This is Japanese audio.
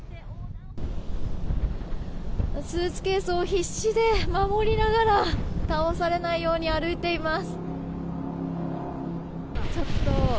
スーツケースを必死で守りながら倒されないように歩いています。